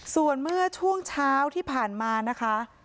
ส่วนเมื่อช่วงเช้าที่ผ่านมานะคะ